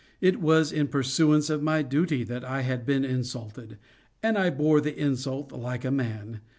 It was in pursuance of my duty that I had been insulted, and I bore the insult like a man.